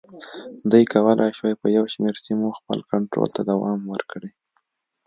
دوی کولای شوای په یو شمېر سیمو خپل کنټرول ته دوام ورکړي.